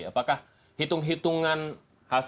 apakah hitung hitungan hasil survei itu bergantung